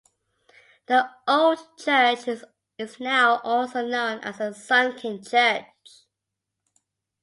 The old church is now also known as the Sunken Church.